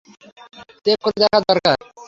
Check করে দেখা দরকার!